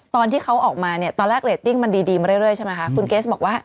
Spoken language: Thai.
ตอนเขาออกมาในเมื่อกี๊เร็ตติ้งเยอะมาไว้ใช่ไหม